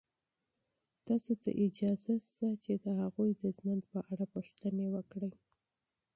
تاسو ته اجازه شته چې د هغوی د ژوند په اړه پوښتنې وکړئ.